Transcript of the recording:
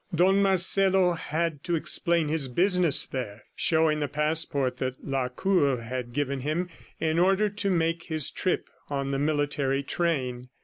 Don Marcelo had to explain his business there, showing the passport that Lacour had given him in order to make his trip on the military train.